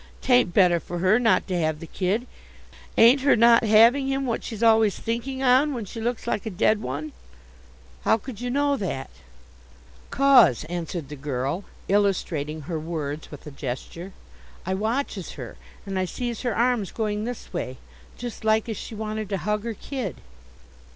"'Tain't better for her not to have the kid. Ain't her not having him what she's always thinking on when she looks like a dead one." "How could you know that?" "'Cause," answered the girl, illustrating her words with a gesture, "I watches her, and I sees her arms going this way, just like as she wanted to hug her kid."